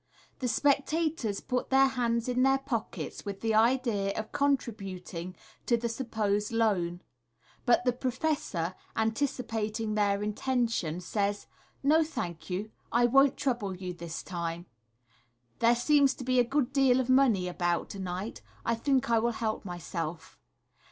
The spectators put their hands in their pockets with the idea of contributing to the supposed loan ; but the professor, antici pating their intention, says, "No, thank you j I won't trouble you this time. There seems to be a good deal of money about to night j I think I will help myself.